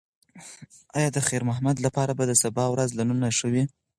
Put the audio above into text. ایا د خیر محمد لپاره به د سبا ورځ له نن ښه وي؟